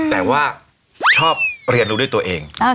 แต่ว่าชอบเรียนรู้ด้วยตัวเอง